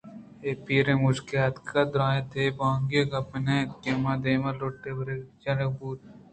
کہ پیریں مُشکے پاد اتک ءُ درّائینت ئے اے بہمانگی گپّ ئے نہ اِنت کہ ما دائم لٹّ وَرَگ ءُ جَنَگ بُوئگائیں